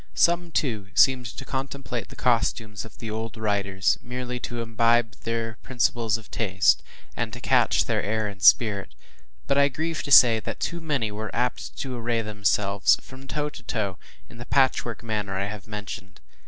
Some, too, seemed to contemplate the costumes of the old writers, merely to imbibe their principles of taste, and to catch their air and spirit; but I grieve to say, that too many were apt to array themselves, from top to toe, in the patchwork manner I have mentioned.